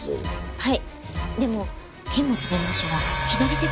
はい。